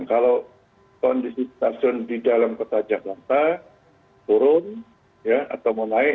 kalau kondisi stasiun di dalam kota jakarta turun atau mau naik